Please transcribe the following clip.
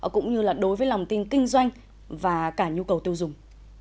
cũng như là đối với lòng tin kinh doanh và cả nhu cầu tiêu dùng